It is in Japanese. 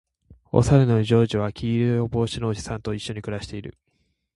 おさるのジョージは黄色の帽子のおじさんと一緒に暮らしている